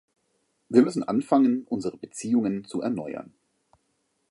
Wir müssen anfangen, unsere Beziehungen zu erneuern.